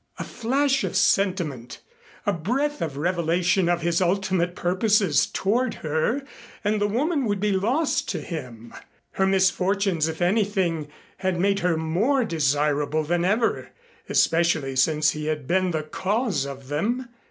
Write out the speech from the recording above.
A flash of sentiment, a breath of revelation of his ultimate purposes toward her, and the woman would be lost to him. Her misfortunes if anything had made her more desirable than ever, especially since he had been the cause of them.